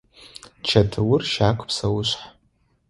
Чэтыур – щагу псэушъхь.